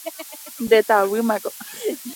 Ndetavýmako.